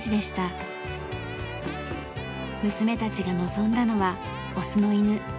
娘たちが望んだのはオスの犬。